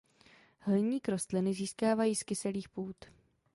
Hliník rostliny získávají z kyselých půd.